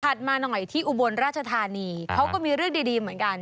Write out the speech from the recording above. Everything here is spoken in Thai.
มาหน่อยที่อุบลราชธานีเขาก็มีเรื่องดีเหมือนกัน